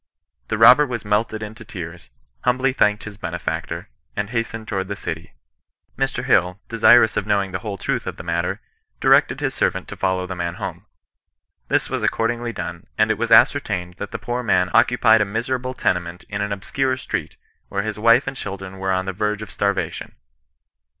The robber was melted into tears, humbly thanked his benefactor, and hastened towards the citj. Mr. Hill, desirous of knowing the whole truth of the mat ter, directed his servant to follow the man home. This was accordingly done, and it was ascertained that the poor man occupied a miserable tenement in an obscure street, where his wife and children were on the verge of starvation.